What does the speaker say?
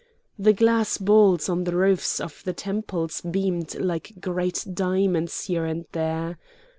The glass balls on the roofs of the temples beamed like great diamonds here and there.